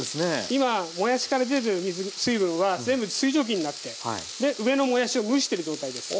今もやしから出てる水分は全部水蒸気になって上のもやしを蒸してる状態です。